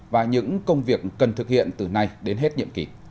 và những công việc cần thực hiện từ nay đến hết nhiệm kỳ